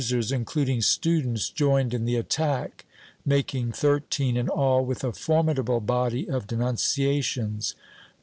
VII] LUIS BE LEON 153 including students, joined in the attack, making thirteen in all, with a formidable body of denunciations.